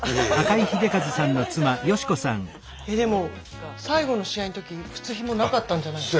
えでも最後の試合の時靴ひもなかったんじゃないの？